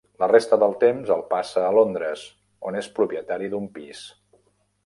La resta del temps el passa a Londres, on és propietari d'un pis.